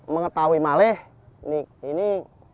mengetahui malih ini ini